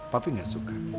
papi gak suka